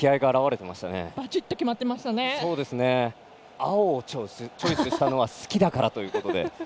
青をチョイスしたのは好きだからということで。